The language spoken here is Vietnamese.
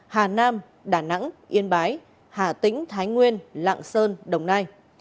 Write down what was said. hà nam đà nẵng yên bái hà tĩnh thái nguyên lạng sơn đồng nai